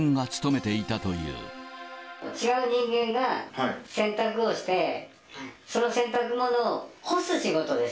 違う人間が洗濯をして、その洗濯物を干す仕事です。